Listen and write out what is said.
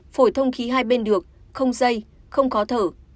phổi thông khí hai bên được không dây không khó thở